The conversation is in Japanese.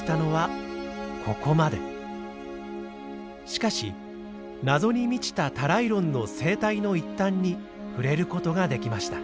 しかし謎に満ちたタライロンの生態の一端に触れる事ができました。